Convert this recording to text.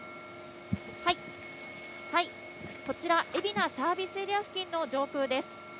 こちら、海老名サービスエリア付近の上空です。